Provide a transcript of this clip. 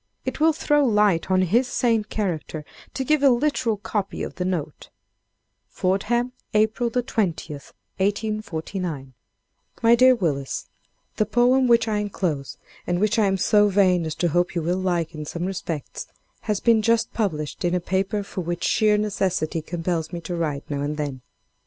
It will throw light on his sane character to give a literal copy of the note: "FORDHAM, April 20, 1849 "MY DEAR WILLIS—The poem which I inclose, and which I am so vain as to hope you will like, in some respects, has been just published in a paper for which sheer necessity compels me to write, now and then.